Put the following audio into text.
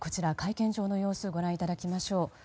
会見場の様子をご覧いただきましょう。